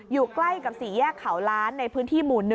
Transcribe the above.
อยู่ใกล้กับสี่แยกเขาล้านในพื้นที่หมู่๑